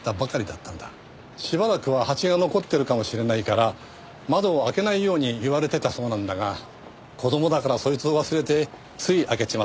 しばらくはハチが残ってるかもしれないから窓を開けないように言われてたそうなんだが子供だからそいつを忘れてつい開けちまったんだな。